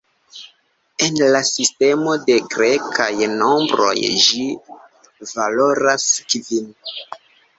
En la sistemo de grekaj nombroj ĝi valoras kvin.